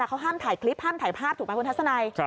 เขาห้ามถ่ายคลิปห้ามถ่ายภาพถูกไหมคุณทัศนัย